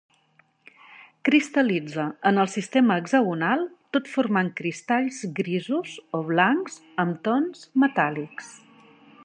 Cristal·litza en el sistema hexagonal tot formant cristalls grisos o blancs amb tons metàl·lics.